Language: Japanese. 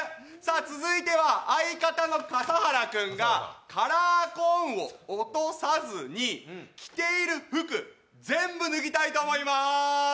続いては、相方のかさはら君がカラーコーンを落とさずに着ている服、全部脱ぎたいと思いまーす！